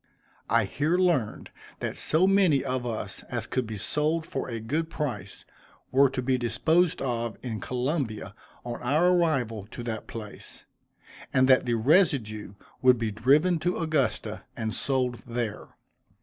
I here learned, that so many of us as could be sold for a good price, were to be disposed of in Columbia, on our arrival at that place, and that the residue would be driven to Augusta and sold there.